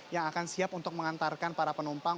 yang akan siap untuk mengantarkan para penumpang